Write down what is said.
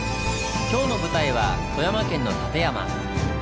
今日の舞台は富山県の立山。